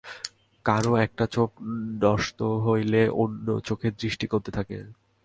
কারও একটা চোখ নসত হলে অন্য চোখের দৃষ্টি কমতে থাকে।